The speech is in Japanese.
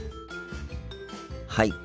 はい。